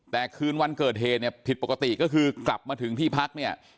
แต่คืนวันเกิดเหตุเนี่ยผิดปกติก็คือกลับมาถึงที่พักเนี่ย